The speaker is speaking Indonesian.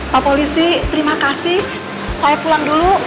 pak polisi terima kasih saya pulang dulu